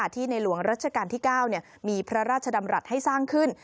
ที่ในหลวงรัชกาลที่๙มีพระราชดำรัฐให้สร้างขึ้น